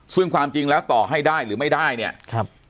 ซึ่งความจริงแล้วต่อให้ได้หรือไม่ได้เนี่ยครับ